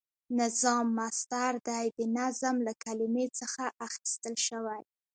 نظام مصدر دی د نظم له کلمی څخه اخیستل شوی،